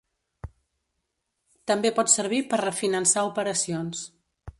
També pot servir per refinançar operacions.